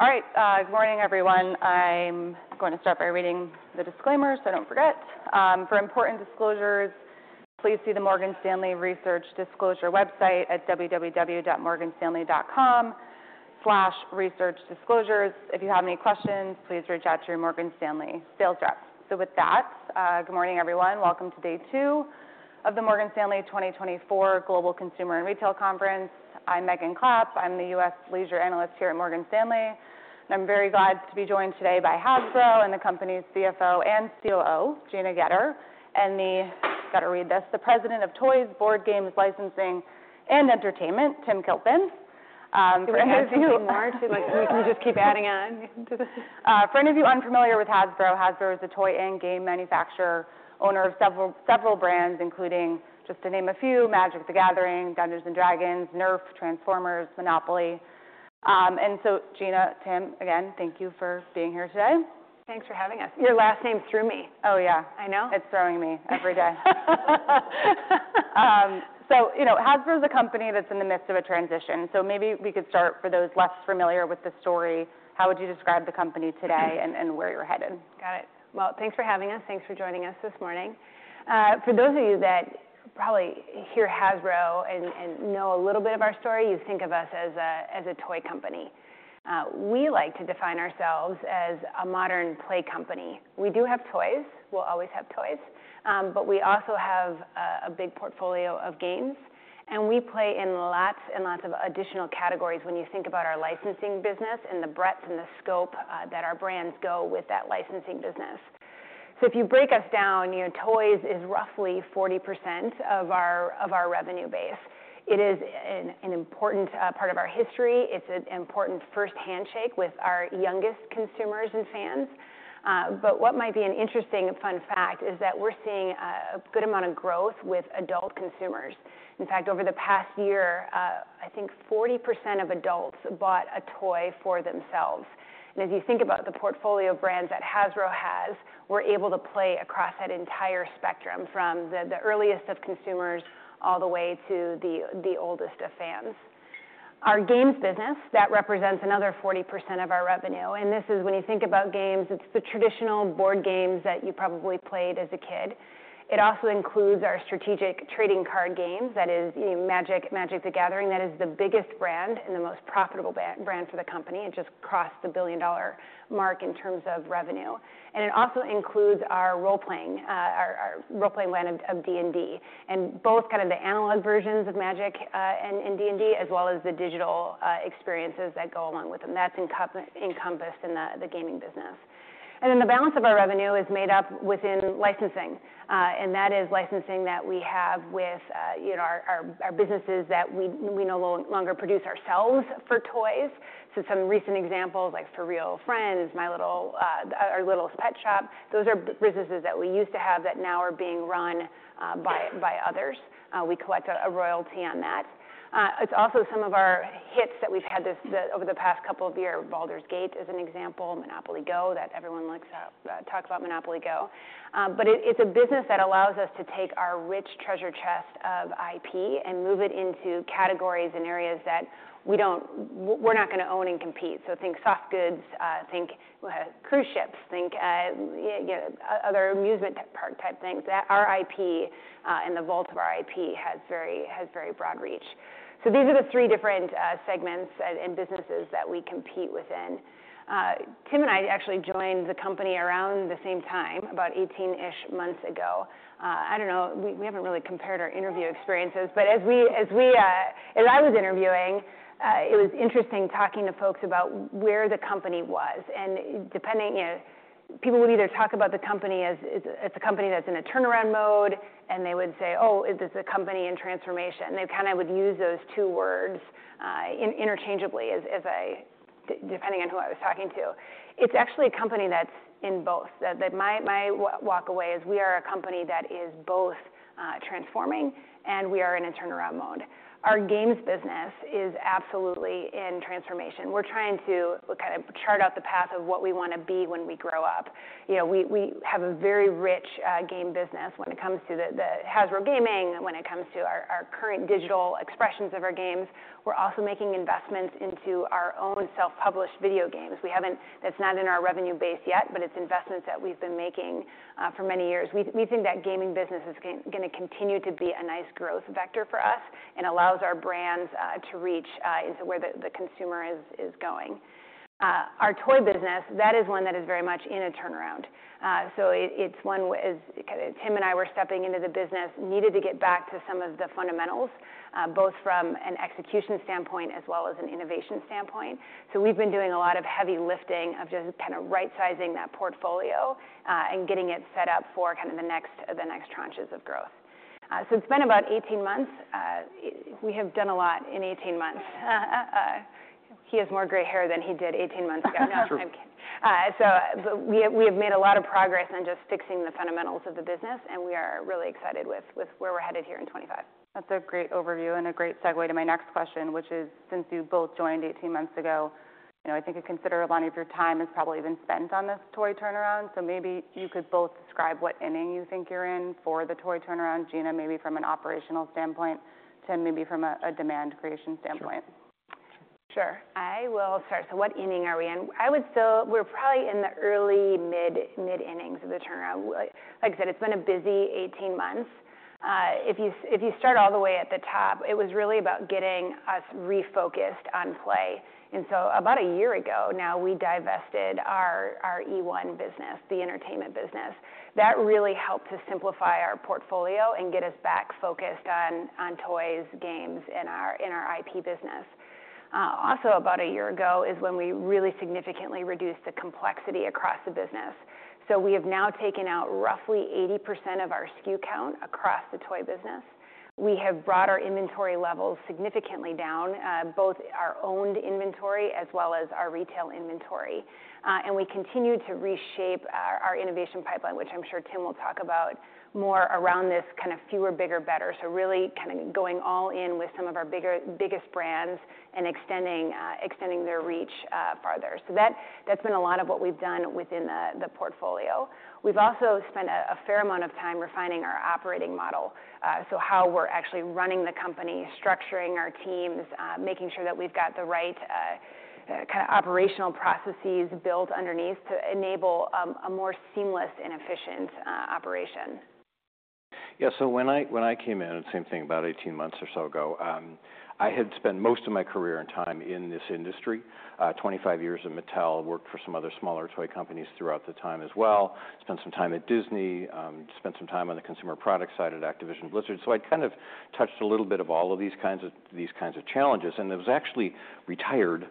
All right. Good morning, everyone. I'm going to start by reading the disclaimer so I don't forget. For important disclosures, please see the Morgan Stanley Research Disclosure website at www.morganstanley.com/researchdisclosures. If you have any questions, please reach out to your Morgan Stanley sales rep. So with that, good morning, everyone. Welcome to day two of the Morgan Stanley 2024 Global Consumer and Retail Conference. I'm Megan Clapp. I'm the U.S. leisure analyst here at Morgan Stanley. And I'm very glad to be joined today by Hasbro and the company's CFO and COO, Gina Goetter, and the, got to read this, the president of Toys, Board Games, Licensing, and Entertainment, Tim Kilpin. For any of you, sorry, can we just keep adding on to this? For any of you unfamiliar with Hasbro, Hasbro is a toy and game manufacturer, owner of several brands, including, just to name a few, Magic: The Gathering, Dungeons & Dragons, Nerf, Transformers, Monopoly. And so, Gina, Tim, again, thank you for being here today. Thanks for having us. Your last name threw me. Oh, yeah. I know. It's throwing me every day. So Hasbro is a company that's in the midst of a transition. So maybe we could start, for those less familiar with the story, how would you describe the company today and where you're headed? Got it. Well, thanks for having us. Thanks for joining us this morning. For those of you that probably hear Hasbro and know a little bit of our story, you think of us as a toy company. We like to define ourselves as a modern play company. We do have toys. We'll always have toys. But we also have a big portfolio of games. And we play in lots and lots of additional categories when you think about our licensing business and the breadth and the scope that our brands go with that licensing business. So if you break us down, toys is roughly 40% of our revenue base. It is an important part of our history. It's an important first handshake with our youngest consumers and fans. But what might be an interesting and fun fact is that we're seeing a good amount of growth with adult consumers. In fact, over the past year, I think 40% of adults bought a toy for themselves. And as you think about the portfolio brands that Hasbro has, we're able to play across that entire spectrum from the earliest of consumers all the way to the oldest of fans. Our games business, that represents another 40% of our revenue. And this is when you think about games, it's the traditional board games that you probably played as a kid. It also includes our strategic trading card games. That is, Magic: The Gathering. That is the biggest brand and the most profitable brand for the company. It just crossed the $1 billion mark in terms of revenue. And it also includes our role-playing, our role-playing line of D&D. And both kind of the analog versions of Magic and D&D, as well as the digital experiences that go along with them. That's encompassed in the gaming business. And then the balance of our revenue is made up within licensing. And that is licensing that we have with our businesses that we no longer produce ourselves for toys. So some recent examples, like FurReal, Littlest Pet Shop, those are businesses that we used to have that now are being run by others. We collect a royalty on that. It's also some of our hits that we've had over the past couple of years, Baldur's Gate as an example, Monopoly Go that everyone talks about, Monopoly Go. But it's a business that allows us to take our rich treasure chest of IP and move it into categories and areas that we're not going to own and compete. So think soft goods, think cruise ships, think other amusement park type things. Our IP and the vaults of our IP has very broad reach. So these are the three different segments and businesses that we compete within. Tim and I actually joined the company around the same time, about 18-ish months ago. I don't know, we haven't really compared our interview experiences. But as I was interviewing, it was interesting talking to folks about where the company was. And people would either talk about the company as it's a company that's in a turnaround mode, and they would say, oh, this is a company in transformation. They kind of would use those two words interchangeably, depending on who I was talking to. It's actually a company that's in both. My walk away is we are a company that is both transforming and we are in a turnaround mode. Our games business is absolutely in transformation. We're trying to kind of chart out the path of what we want to be when we grow up. We have a very rich game business when it comes to the Hasbro gaming, when it comes to our current digital expressions of our games. We're also making investments into our own self-published video games. That's not in our revenue base yet, but it's investments that we've been making for many years. We think that gaming business is going to continue to be a nice growth vector for us and allows our brands to reach into where the consumer is going. Our toy business, that is one that is very much in a turnaround. So Tim and I were stepping into the business, needed to get back to some of the fundamentals, both from an execution standpoint as well as an innovation standpoint. We've been doing a lot of heavy lifting of just kind of right-sizing that portfolio and getting it set up for kind of the next tranches of growth. It's been about 18 months. We have done a lot in 18 months. He has more gray hair than he did 18 months ago. That's true. We have made a lot of progress in just fixing the fundamentals of the business. We are really excited with where we're headed here in 2025. That's a great overview and a great segue to my next question, which is, since you both joined 18 months ago, I think a considerable amount of your time has probably been spent on this toy turnaround. So maybe you could both describe what inning you think you're in for the toy turnaround, Gina, maybe from an operational standpoint, Tim, maybe from a demand creation standpoint. Sure. I will start. So what inning are we in? I would say we're probably in the early, mid-earnings of the turnaround. Like I said, it's been a busy 18 months. If you start all the way at the top, it was really about getting us refocused on play. And so about a year ago now, we divested our eOne business, the entertainment business. That really helped to simplify our portfolio and get us back focused on toys, games, and our IP business. Also, about a year ago is when we really significantly reduced the complexity across the business. So we have now taken out roughly 80% of our SKU count across the toy business. We have brought our inventory levels significantly down, both our owned inventory as well as our retail inventory. We continue to reshape our innovation pipeline, which I'm sure Tim will talk about more around this kind of fewer, bigger, better. So really kind of going all in with some of our biggest brands and extending their reach farther. So that's been a lot of what we've done within the portfolio. We've also spent a fair amount of time refining our operating model. So how we're actually running the company, structuring our teams, making sure that we've got the right kind of operational processes built underneath to enable a more seamless and efficient operation. Yeah, so when I came in, same thing, about 18 months or so ago, I had spent most of my career and time in this industry, 25 years in Mattel. Worked for some other smaller toy companies throughout the time as well. Spent some time at Disney, spent some time on the consumer product side at Activision Blizzard. So I kind of touched a little bit of all of these kinds of challenges. And I was actually retired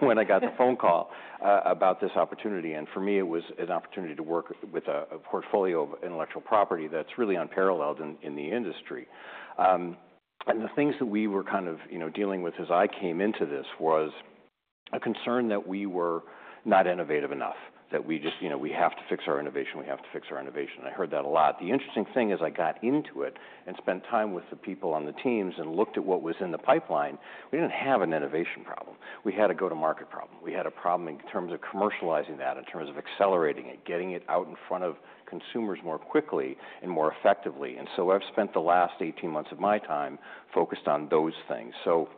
when I got the phone call about this opportunity. And for me, it was an opportunity to work with a portfolio of intellectual property that's really unparalleled in the industry. And the things that we were kind of dealing with as I came into this was a concern that we were not innovative enough, that we just, we have to fix our innovation. We have to fix our innovation. I heard that a lot. The interesting thing is I got into it and spent time with the people on the teams and looked at what was in the pipeline. We didn't have an innovation problem. We had a go-to-market problem. We had a problem in terms of commercializing that, in terms of accelerating it, getting it out in front of consumers more quickly and more effectively, and so I've spent the last 18 months of my time focused on those things, so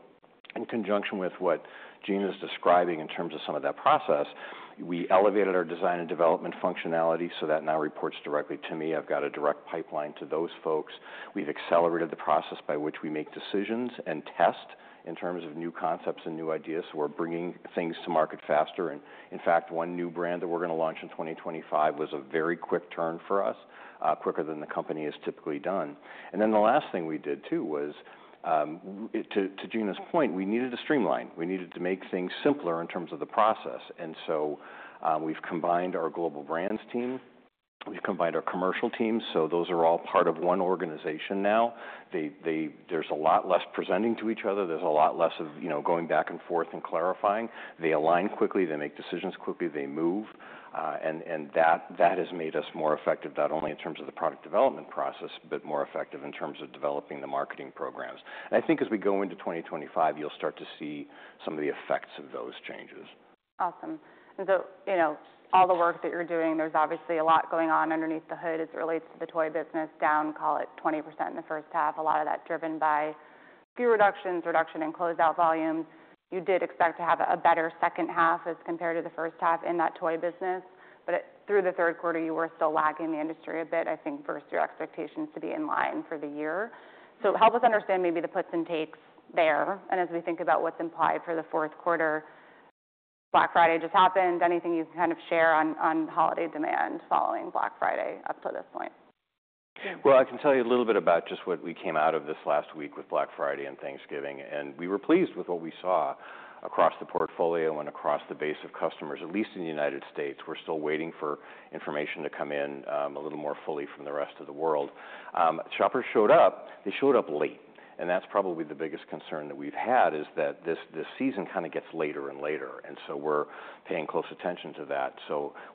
in conjunction with what Gina's describing in terms of some of that process, we elevated our design and development functionality so that now reports directly to me. I've got a direct pipeline to those folks. We've accelerated the process by which we make decisions and test in terms of new concepts and new ideas. We're bringing things to market faster. And in fact, one new brand that we're going to launch in 2025 was a very quick turn for us, quicker than the company has typically done. And then the last thing we did too was, to Gina's point, we needed to streamline. We needed to make things simpler in terms of the process. And so we've combined our global brands team. We've combined our commercial team. So those are all part of one organization now. There's a lot less presenting to each other. There's a lot less of going back and forth and clarifying. They align quickly. They make decisions quickly. They move. And that has made us more effective, not only in terms of the product development process, but more effective in terms of developing the marketing programs. And I think as we go into 2025, you'll start to see some of the effects of those changes. Awesome. And so all the work that you're doing, there's obviously a lot going on underneath the hood as it relates to the toy business down, call it 20% in the first half. A lot of that driven by SKU reductions, reduction in closeout volumes. You did expect to have a better second half as compared to the first half in that toy business. But through the third quarter, you were still lagging the industry a bit, I think, versus your expectations to be in line for the year. So help us understand maybe the puts and takes there. And as we think about what's implied for the fourth quarter, Black Friday just happened. Anything you can kind of share on holiday demand following Black Friday up to this point? I can tell you a little bit about just what we came out of this last week with Black Friday and Thanksgiving. We were pleased with what we saw across the portfolio and across the base of customers, at least in the United States. We're still waiting for information to come in a little more fully from the rest of the world. Shoppers showed up. They showed up late. That's probably the biggest concern that we've had is that this season kind of gets later and later. We're paying close attention to that.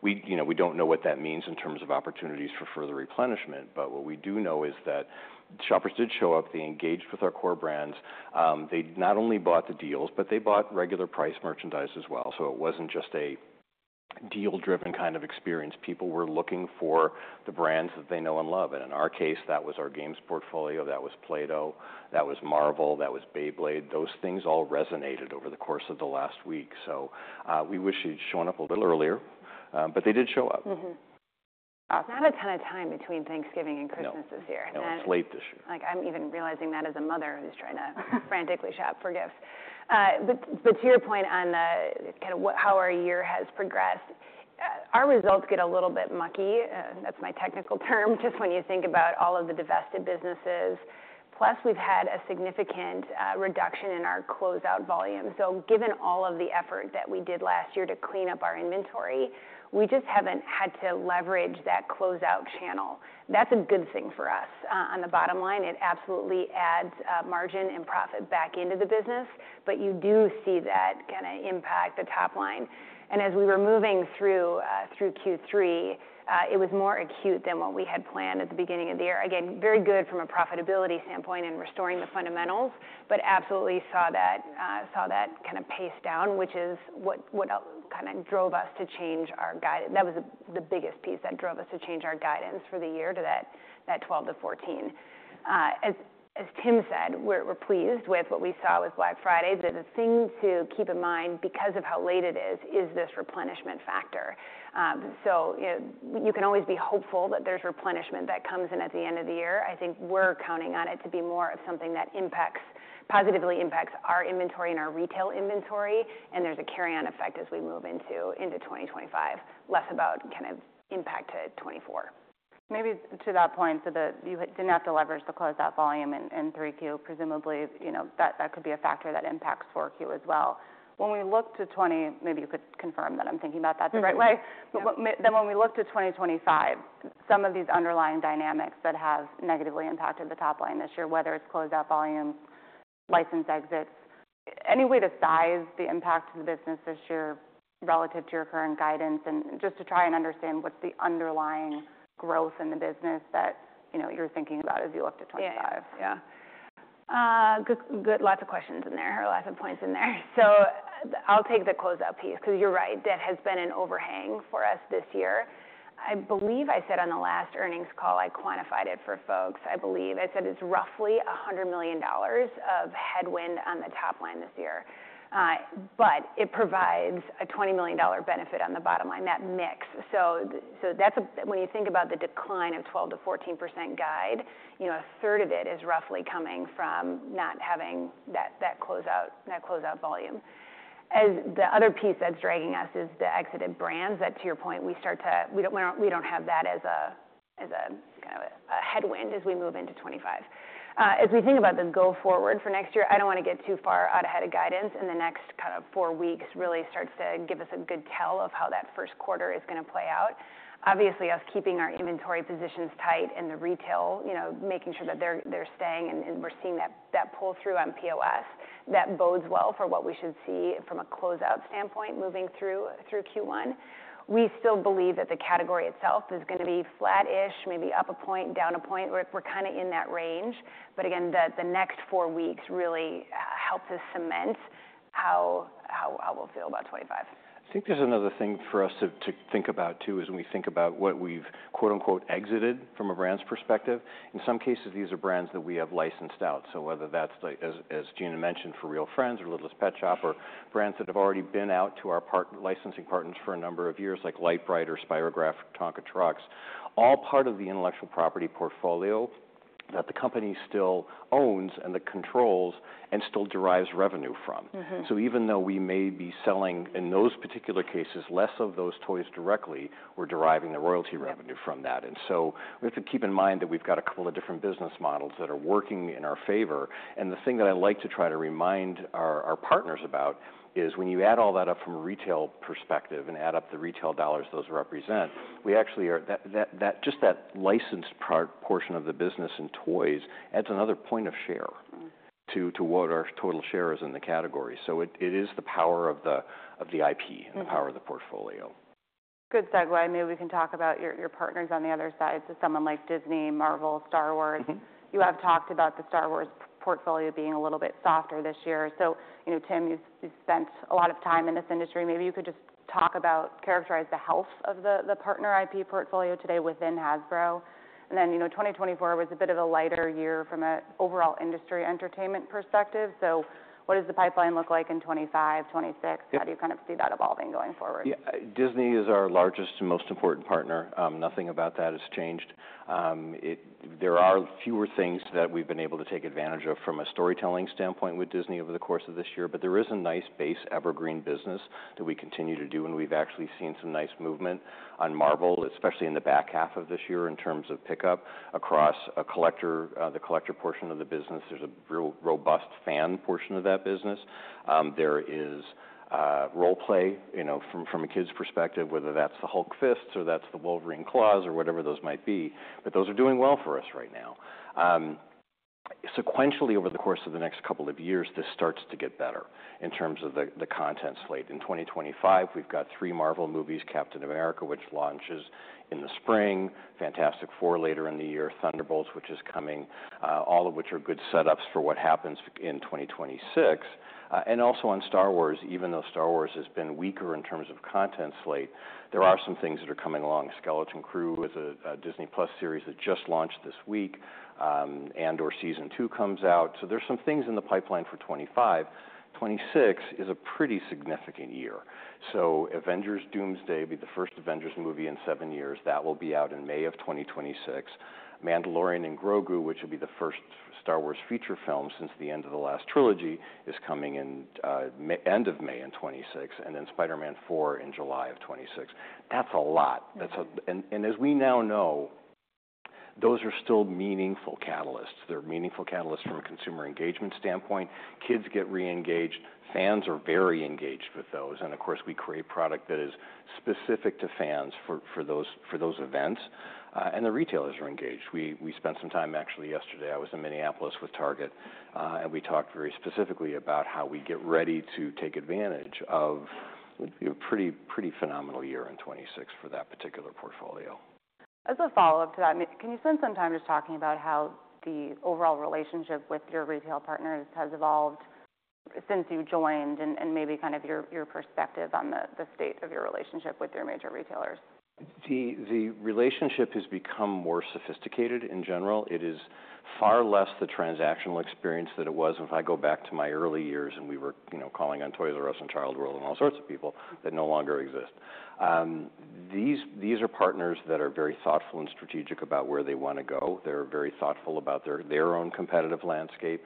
We don't know what that means in terms of opportunities for further replenishment. What we do know is that shoppers did show up. They engaged with our core brands. They not only bought the deals, but they bought regular price merchandise as well. So it wasn't just a deal-driven kind of experience. People were looking for the brands that they know and love. And in our case, that was our games portfolio. That was Play-Doh. That was Marvel. That was Beyblade. Those things all resonated over the course of the last week. So we wish they'd shown up a little earlier. But they did show up. Awesome. Not a ton of time between Thanksgiving and Christmas this year. No, it's late this year. I'm even realizing that as a mother who's trying to frantically shop for gifts. But to your point on kind of how our year has progressed, our results get a little bit mucky. That's my technical term, just when you think about all of the divested businesses. Plus, we've had a significant reduction in our closeout volume. So given all of the effort that we did last year to clean up our inventory, we just haven't had to leverage that closeout channel. That's a good thing for us. On the bottom line, it absolutely adds margin and profit back into the business. But you do see that kind of impact the top line. And as we were moving through Q3, it was more acute than what we had planned at the beginning of the year. Again, very good from a profitability standpoint in restoring the fundamentals, but absolutely saw that kind of pace down, which is what kind of drove us to change our guidance. That was the biggest piece that drove us to change our guidance for the year to that 12-14. As Tim said, we're pleased with what we saw with Black Friday. The thing to keep in mind because of how late it is is this replenishment factor. So you can always be hopeful that there's replenishment that comes in at the end of the year. I think we're counting on it to be more of something that positively impacts our inventory and our retail inventory, and there's a carry-on effect as we move into 2025, less about kind of impact to 2024. Maybe to that point, so that you didn't have to leverage the closeout volume in 3Q, presumably that could be a factor that impacts 4Q as well. When we look to 2020, maybe you could confirm that I'm thinking about that the right way. But then when we look to 2025, some of these underlying dynamics that have negatively impacted the top line this year, whether it's closeout volumes, license exits, any way to size the impact of the business this year relative to your current guidance and just to try and understand what's the underlying growth in the business that you're thinking about as you look to 2025. Yeah. Lots of questions in there, or lots of points in there. So I'll take the closeout piece because you're right. That has been an overhang for us this year. I believe I said on the last earnings call, I quantified it for folks. I believe I said it's roughly $100 million of headwind on the top line this year. But it provides a $20 million benefit on the bottom line, that mix. So when you think about the decline of 12%-14% guide, a third of it is roughly coming from not having that closeout volume. The other piece that's dragging us is the exited brands that, to your point, we don't have that as a kind of headwind as we move into 2025. As we think about the go-forward for next year, I don't want to get too far out ahead of guidance. In the next kind of four weeks really starts to give us a good tell of how that first quarter is going to play out. Obviously, us keeping our inventory positions tight and the retail, making sure that they're staying and we're seeing that pull-through on POS, that bodes well for what we should see from a closeout standpoint moving through Q1. We still believe that the category itself is going to be flat-ish, maybe up a point, down a point. We're kind of in that range. But again, the next four weeks really helps us cement how we'll feel about 2025. I think there's another thing for us to think about too is when we think about what we've "exited" from a brand's perspective. In some cases, these are brands that we have licensed out. So whether that's, as Gina mentioned, FurReal or Littlest Pet Shop or brands that have already been out to our licensing partners for a number of years, like Lite-Brite or Spirograph, Tonka trucks, all part of the intellectual property portfolio that the company still owns and controls and still derives revenue from. So even though we may be selling, in those particular cases, less of those toys directly, we're deriving the royalty revenue from that. And so we have to keep in mind that we've got a couple of different business models that are working in our favor. And the thing that I like to try to remind our partners about is, when you add all that up from a retail perspective and add up the retail dollars those represent, we actually are just that licensed portion of the business in toys adds another point of share to what our total share is in the category. So it is the power of the IP and the power of the portfolio. Good segue. Maybe we can talk about your partners on the other side. So someone like Disney, Marvel, Star Wars. You have talked about the Star Wars portfolio being a little bit softer this year. So Tim, you've spent a lot of time in this industry. Maybe you could just talk about, characterize the health of the partner IP portfolio today within Hasbro. Then 2024 was a bit of a lighter year from an overall industry entertainment perspective. So what does the pipeline look like in 2025, 2026? How do you kind of see that evolving going forward? Disney is our largest and most important partner. Nothing about that has changed. There are fewer things that we've been able to take advantage of from a storytelling standpoint with Disney over the course of this year, but there is a nice base evergreen business that we continue to do, and we've actually seen some nice movement on Marvel, especially in the back half of this year in terms of pickup across the collector portion of the business. There's a real robust fan portion of that business. There is role play from a kid's perspective, whether that's the Hulk Fists or that's the Wolverine claws or whatever those might be, but those are doing well for us right now. Sequentially, over the course of the next couple of years, this starts to get better in terms of the content slate. In 2025, we've got three Marvel movies, Captain America, which launches in the spring, Fantastic Four later in the year, Thunderbolts, which is coming, all of which are good setups for what happens in 2026, and also on Star Wars, even though Star Wars has been weaker in terms of content slate, there are some things that are coming along. Skeleton Crew is a Disney+ series that just launched this week. Andor season two comes out, so there's some things in the pipeline for 2025. 2026 is a pretty significant year, so Avengers: Doomsday will be the first Avengers movie in seven years. That will be out in May of 2026. Mandalorian and Grogu, which will be the first Star Wars feature film since the end of the last trilogy, is coming in the end of May in 2026. And then Spider-Man 4 in July of 2026. That's a lot. And as we now know, those are still meaningful catalysts. They're meaningful catalysts from a consumer engagement standpoint. Kids get re-engaged. Fans are very engaged with those. And of course, we create product that is specific to fans for those events. And the retailers are engaged. We spent some time actually yesterday. I was in Minneapolis with Target. And we talked very specifically about how we get ready to take advantage of a pretty phenomenal year in 2026 for that particular portfolio. As a follow-up to that, can you spend some time just talking about how the overall relationship with your retail partners has evolved since you joined and maybe kind of your perspective on the state of your relationship with your major retailers? The relationship has become more sophisticated in general. It is far less the transactional experience that it was. And if I go back to my early years and we were calling on Toys "R" Us and Child World and all sorts of people that no longer exist. These are partners that are very thoughtful and strategic about where they want to go. They're very thoughtful about their own competitive landscape.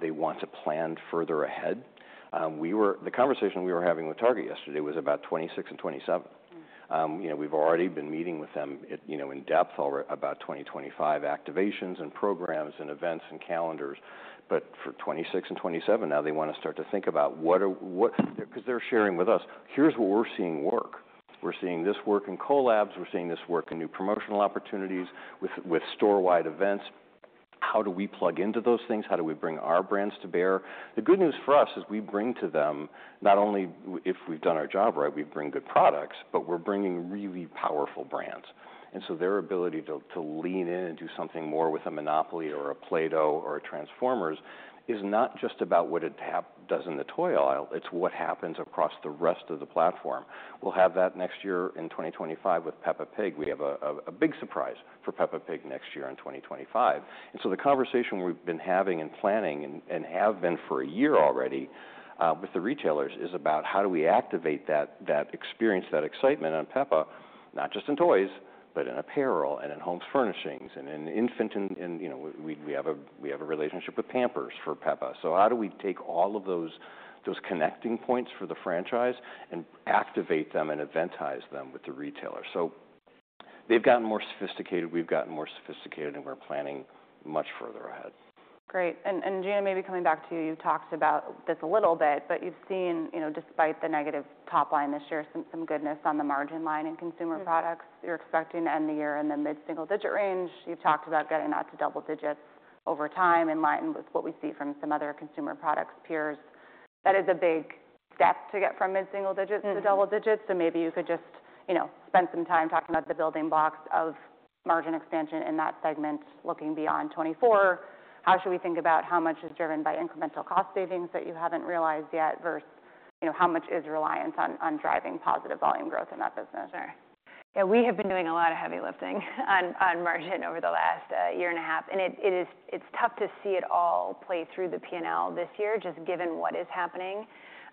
They want to plan further ahead. The conversation we were having with Target yesterday was about 2026 and 2027. We've already been meeting with them in depth about 2025 activations and programs and events and calendars. But for 2026 and 2027, now they want to start to think about what because they're sharing with us, here's what we're seeing work. We're seeing this work in collabs. We're seeing this work in new promotional opportunities with store-wide events. How do we plug into those things? How do we bring our brands to bear? The good news for us is we bring to them not only if we've done our job right, we bring good products, but we're bringing really powerful brands. And so their ability to lean in and do something more with a Monopoly or a Play-Doh or a Transformers is not just about what it does in the toy aisle. It's what happens across the rest of the platform. We'll have that next year in 2025 with Peppa Pig. We have a big surprise for Peppa Pig next year in 2025. And so the conversation we've been having and planning and have been for a year already with the retailers is about how do we activate that experience, that excitement on Peppa, not just in toys, but in apparel and in home furnishings and in infant. We have a relationship with Pampers for Peppa. So how do we take all of those connecting points for the franchise and activate them and eventize them with the retailer? So they've gotten more sophisticated. We've gotten more sophisticated, and we're planning much further ahead. Great. And Gina, maybe coming back to you, you've talked about this a little bit, but you've seen, despite the negative top line this year, some goodness on the margin line in consumer products. You're expecting to end the year in the mid-single-digit range. You've talked about getting that to double digits over time in line with what we see from some other consumer products peers. That is a big step to get from mid-single digits to double digits. So maybe you could just spend some time talking about the building blocks of margin expansion in that segment looking beyond 2024. How should we think about how much is driven by incremental cost savings that you haven't realized yet versus how much is reliance on driving positive volume growth in that business? Sure. Yeah, we have been doing a lot of heavy lifting on margin over the last year and a half. And it's tough to see it all play through the P&L this year, just given what is happening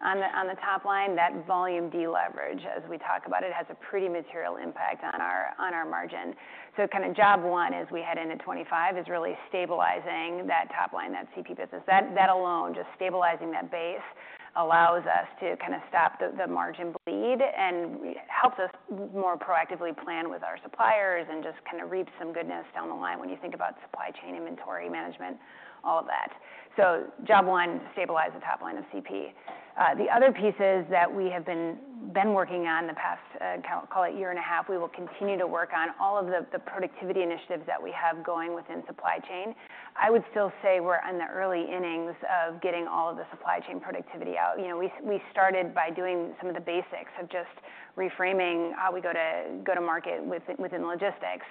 on the top line. That volume deleverage, as we talk about it, has a pretty material impact on our margin. So kind of job one as we head into 2025 is really stabilizing that top line, that CP business. That alone, just stabilizing that base, allows us to kind of stop the margin bleed and helps us more proactively plan with our suppliers and just kind of reap some goodness down the line when you think about supply chain inventory management, all of that. So job one, stabilize the top line of CP. The other pieces that we have been working on the past, call it, year and a half, we will continue to work on all of the productivity initiatives that we have going within supply chain. I would still say we're in the early innings of getting all of the supply chain productivity out. We started by doing some of the basics of just reframing how we go to market within logistics,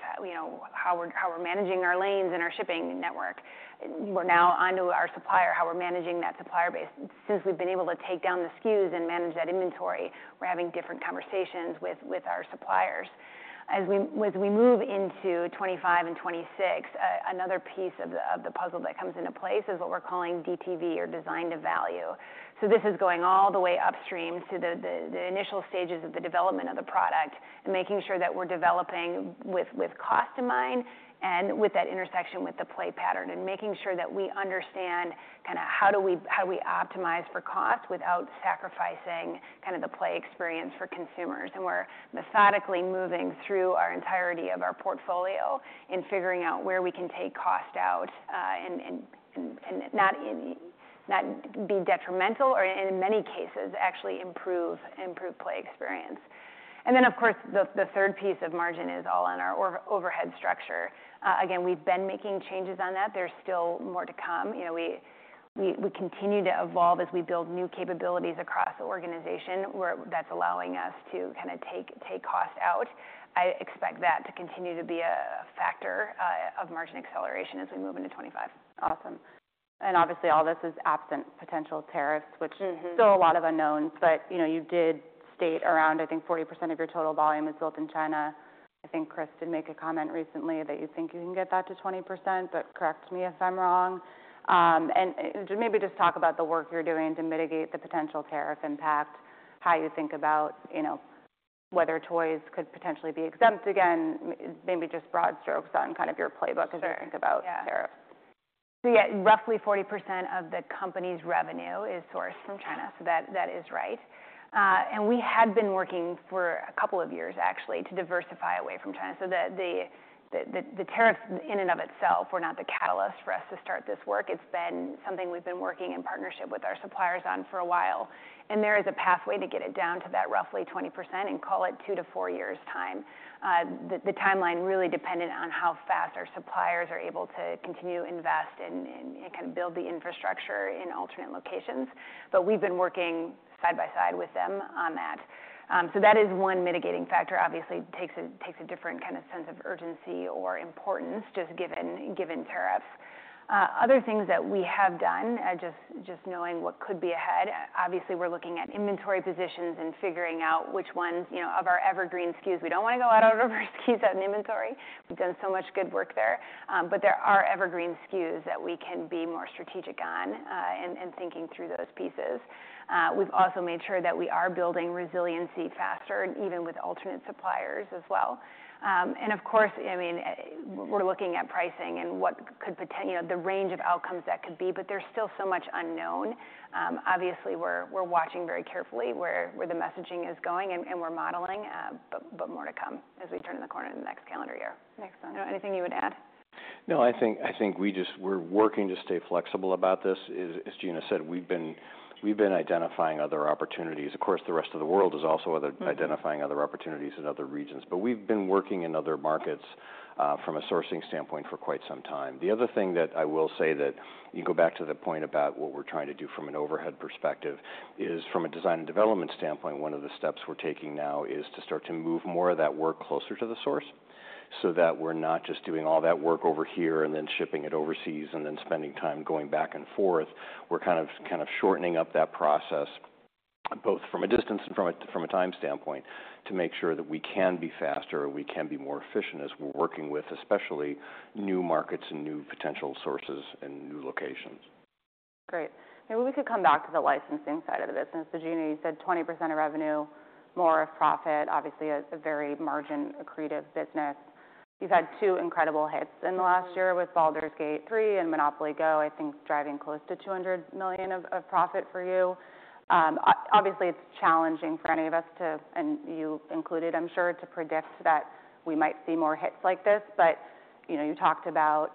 how we're managing our lanes and our shipping network. We're now onto our supplier, how we're managing that supplier base. Since we've been able to take down the SKUs and manage that inventory, we're having different conversations with our suppliers. As we move into 2025 and 2026, another piece of the puzzle that comes into place is what we're calling DTV or design to value. So this is going all the way upstream to the initial stages of the development of the product and making sure that we're developing with cost in mind and with that intersection with the play pattern and making sure that we understand kind of how do we optimize for cost without sacrificing kind of the play experience for consumers. And we're methodically moving through our entirety of our portfolio in figuring out where we can take cost out and not be detrimental or, in many cases, actually improve play experience. And then, of course, the third piece of margin is all on our overhead structure. Again, we've been making changes on that. There's still more to come. We continue to evolve as we build new capabilities across the organization where that's allowing us to kind of take cost out. I expect that to continue to be a factor of margin acceleration as we move into 2025. Awesome. And obviously, all this is absent potential tariffs, which is still a lot of unknowns. But you did state around, I think, 40% of your total volume is built in China. I think Chris did make a comment recently that you think you can get that to 20%, but correct me if I'm wrong. And maybe just talk about the work you're doing to mitigate the potential tariff impact, how you think about whether toys could potentially be exempt again, maybe just broad strokes on kind of your playbook as you think about tariffs. So yeah, roughly 40% of the company's revenue is sourced from China. So that is right. And we had been working for a couple of years, actually, to diversify away from China. So the tariffs in and of itself were not the catalyst for us to start this work. It's been something we've been working in partnership with our suppliers on for a while. And there is a pathway to get it down to that roughly 20% and call it two to four years' time. The timeline really depended on how fast our suppliers are able to continue to invest and kind of build the infrastructure in alternate locations. But we've been working side by side with them on that. So that is one mitigating factor. Obviously, it takes a different kind of sense of urgency or importance just given tariffs. Other things that we have done, just knowing what could be ahead. Obviously, we're looking at inventory positions and figuring out which ones of our evergreen SKUs we don't want to go out of our SKUs out in inventory. We've done so much good work there. But there are evergreen SKUs that we can be more strategic on and thinking through those pieces. We've also made sure that we are building resiliency faster, even with alternate suppliers as well. And of course, I mean, we're looking at pricing and what could the range of outcomes that could be. But there's still so much unknown. Obviously, we're watching very carefully where the messaging is going, and we're modeling, but more to come as we turn the corner in the next calendar year. Excellent. Anything you would add? No, I think we're working to stay flexible about this. As Gina said, we've been identifying other opportunities. Of course, the rest of the world is also identifying other opportunities in other regions. But we've been working in other markets from a sourcing standpoint for quite some time. The other thing that I will say that you go back to the point about what we're trying to do from an overhead perspective is, from a design and development standpoint, one of the steps we're taking now is to start to move more of that work closer to the source so that we're not just doing all that work over here and then shipping it overseas and then spending time going back and forth. We're kind of shortening up that process, both from a distance and from a time standpoint, to make sure that we can be faster or we can be more efficient as we're working with especially new markets and new potential sources and new locations. Great. Maybe we could come back to the licensing side of the business. But Gina, you said 20% of revenue, more of profit, obviously a very margin accretive business. You've had two incredible hits in the last year with Baldur's Gate III and Monopoly Go, I think driving close to $200 million of profit for you. Obviously, it's challenging for any of us, and you included, I'm sure, to predict that we might see more hits like this. But you talked about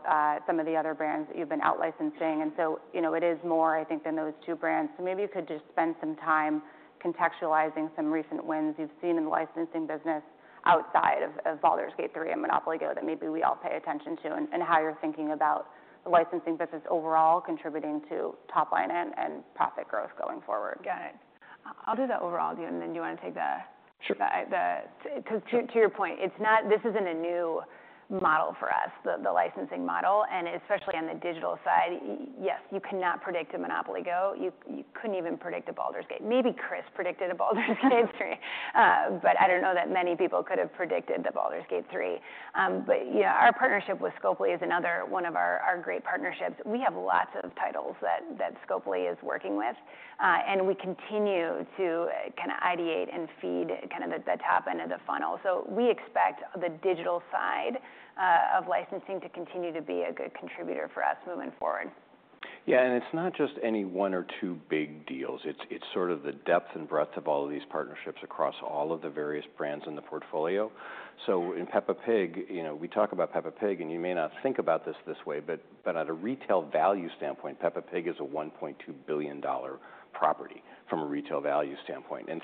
some of the other brands that you've been out-licensing. And so it is more, I think, than those two brands. So maybe you could just spend some time contextualizing some recent wins you've seen in the licensing business outside of Baldur's Gate III and Monopoly Go that maybe we all pay attention to and how you're thinking about the licensing business overall contributing to top line and profit growth going forward. Got it. I'll do the overall, and then you want to take the. Sure. Because to your point, this isn't a new model for us, the licensing model, and especially on the digital side, yes, you cannot predict a Monopoly Go!. You couldn't even predict a Baldur's Gate. Maybe Chris predicted a Baldur's Gate III, but I don't know that many people could have predicted the Baldur's Gate III, but our partnership with Scopely is another one of our great partnerships. We have lots of titles that Scopely is working with, and we continue to kind of ideate and feed kind of the top end of the funnel, so we expect the digital side of licensing to continue to be a good contributor for us moving forward. Yeah. And it's not just any one or two big deals. It's sort of the depth and breadth of all of these partnerships across all of the various brands in the portfolio. So in Peppa Pig, we talk about Peppa Pig, and you may not think about this this way. But at a retail value standpoint, Peppa Pig is a $1.2 billion property from a retail value standpoint. And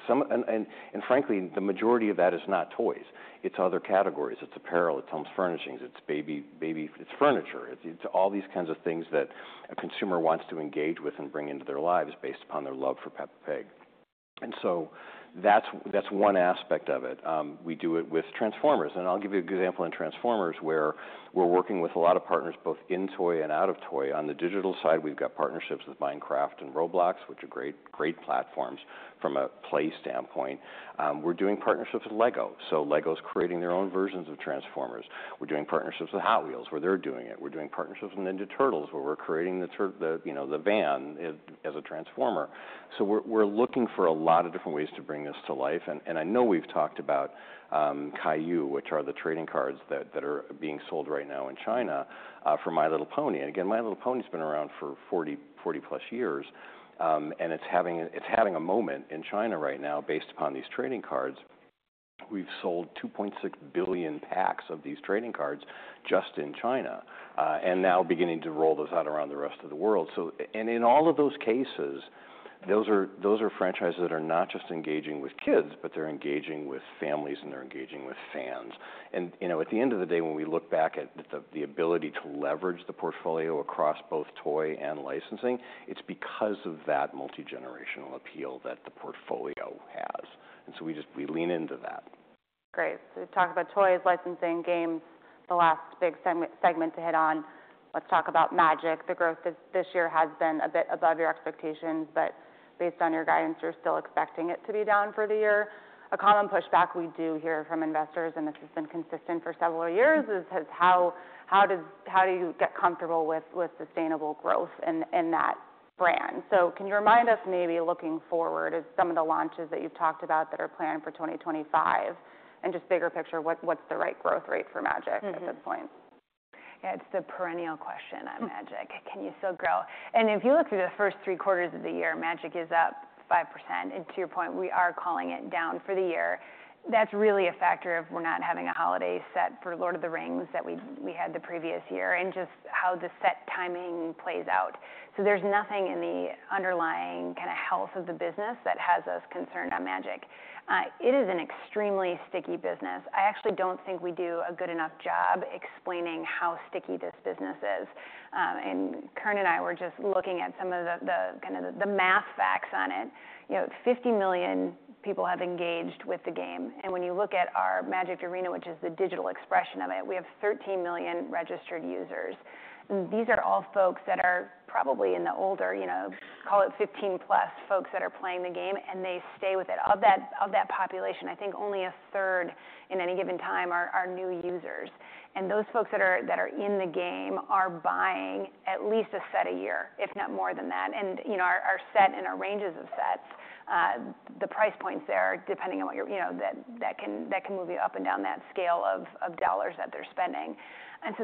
frankly, the majority of that is not toys. It's other categories. It's apparel. It's home furnishings. It's furniture. It's all these kinds of things that a consumer wants to engage with and bring into their lives based upon their love for Peppa Pig. And so that's one aspect of it. We do it with Transformers. And I'll give you an example in Transformers where we're working with a lot of partners, both in toy and out of toy. On the digital side, we've got partnerships with Minecraft and Roblox, which are great platforms from a play standpoint. We're doing partnerships with LEGO, so LEGO's creating their own versions of Transformers. We're doing partnerships with Hot Wheels, where they're doing it. We're doing partnerships with Ninja Turtles, where we're creating the van as a Transformer, so we're looking for a lot of different ways to bring this to life. I know we've talked about Kayou, which are the trading cards that are being sold right now in China for My Little Pony. Again, My Little Pony has been around for 40-plus years, and it's having a moment in China right now based upon these trading cards. We've sold 2.6 billion packs of these trading cards just in China and now beginning to roll those out around the rest of the world. And in all of those cases, those are franchises that are not just engaging with kids, but they're engaging with families, and they're engaging with fans. And at the end of the day, when we look back at the ability to leverage the portfolio across both toy and licensing, it's because of that multi-generational appeal that the portfolio has. And so we lean into that. Great. So we've talked about toys, licensing, games, the last big segment to hit on. Let's talk about Magic. The growth this year has been a bit above your expectations. But based on your guidance, you're still expecting it to be down for the year. A common pushback we do hear from investors, and this has been consistent for several years, is how do you get comfortable with sustainable growth in that brand? So can you remind us maybe looking forward at some of the launches that you've talked about that are planned for 2025? And just bigger picture, what's the right growth rate for Magic at this point? Yeah, it's the perennial question on Magic. Can you still grow? And if you look through the first three quarters of the year, Magic is up 5%. And to your point, we are calling it down for the year. That's really a factor of we're not having a holiday set for Lord of the Rings that we had the previous year and just how the set timing plays out. So there's nothing in the underlying kind of health of the business that has us concerned on Magic. It is an extremely sticky business. I actually don't think we do a good enough job explaining how sticky this business is. And Kern and I were just looking at some of the kind of the math facts on it. 50 million people have engaged with the game. When you look at our Magic Arena, which is the digital expression of it, we have 13 million registered users. These are all folks that are probably in the older, call it 15-plus folks that are playing the game. They stay with it. Of that population, I think only a third in any given time are new users. Those folks that are in the game are buying at least a set a year, if not more than that, and are spending in ranges of sets. The price points there, depending on what you're buying that can move you up and down that scale of dollars that they're spending.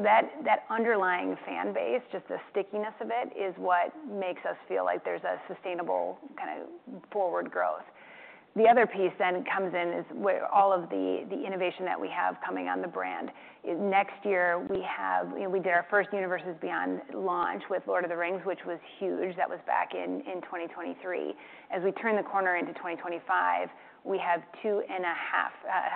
That underlying fan base, just the stickiness of it, is what makes us feel like there's a sustainable kind of forward growth. The other piece then comes in is all of the innovation that we have coming on the brand. Next year, we did our first Universes Beyond launch with Lord of the Rings, which was huge. That was back in 2023. As we turn the corner into 2025, we have two and a half,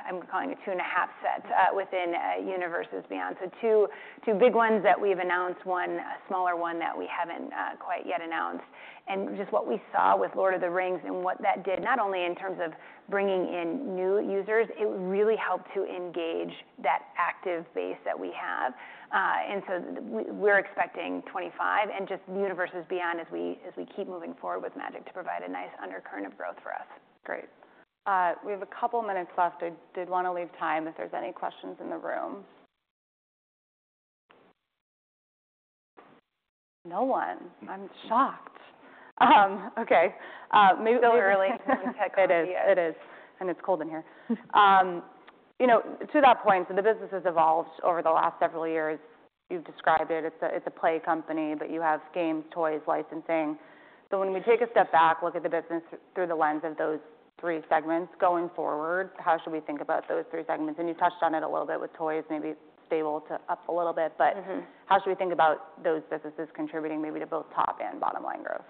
I'm calling it two and a half sets within Universes Beyond. So two big ones that we've announced, one smaller one that we haven't quite yet announced. And just what we saw with Lord of the Rings and what that did, not only in terms of bringing in new users, it really helped to engage that active base that we have. And so we're expecting 2025 and just Universes Beyond as we keep moving forward with Magic to provide a nice undercurrent of growth for us. Great. We have a couple of minutes left. I did want to leave time if there's any questions in the room. No one. I'm shocked. Okay. Maybe it's early. It is. It is. And it's cold in here. To that point, so the business has evolved over the last several years. You've described it. It's a play company, but you have games, toys, licensing. So when we take a step back, look at the business through the lens of those three segments, going forward, how should we think about those three segments? And you touched on it a little bit with toys, maybe stable to up a little bit. But how should we think about those businesses contributing maybe to both top and bottom line growth?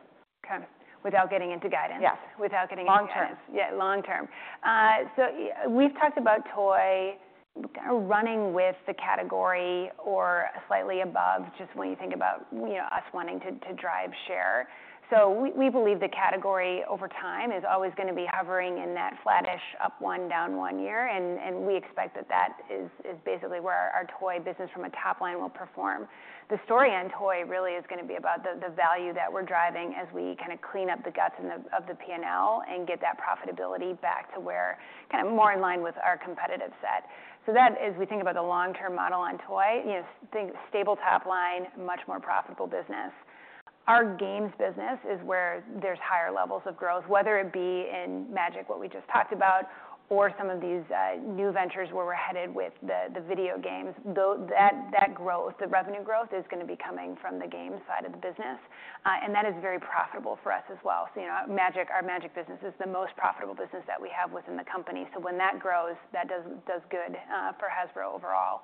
Kind of without getting into guidance. Yes. Without getting into guidance. Long term. Yeah, long term. So we've talked about toy running with the category or slightly above just when you think about us wanting to drive share. So we believe the category over time is always going to be hovering in that flattish up one, down one year. And we expect that that is basically where our toy business from a top line will perform. The story on toy really is going to be about the value that we're driving as we kind of clean up the guts of the P&L and get that profitability back to where kind of more in line with our competitive set. So that is, we think about the long-term model on toy, stable top line, much more profitable business. Our games business is where there's higher levels of growth, whether it be in magic, what we just talked about, or some of these new ventures where we're headed with the video games. That growth, the revenue growth, is going to be coming from the game side of the business. And that is very profitable for us as well. So our magic business is the most profitable business that we have within the company. So when that grows, that does good for Hasbro overall.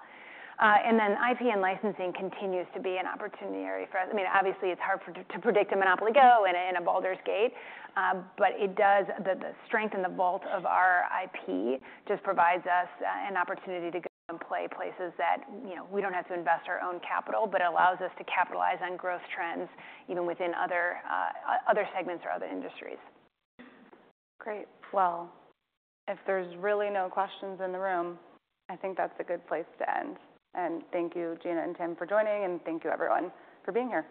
And then IP and licensing continues to be an opportunity area for us. I mean, obviously, it's hard to predict a Monopoly Go and a Baldur's Gate. But the strength and the vault of our IP just provides us an opportunity to go and play places that we don't have to invest our own capital, but it allows us to capitalize on growth trends even within other segments or other industries. Great. Well, if there's really no questions in the room, I think that's a good place to end. And thank you, Gina and Tim, for joining. And thank you, everyone, for being here.